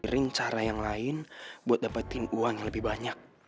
ring cara yang lain buat dapetin uang yang lebih banyak